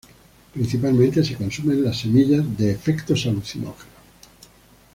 Principalmente se consumen las semillas, de efectos alucinógenos.